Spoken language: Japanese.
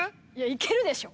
いけるでしょ。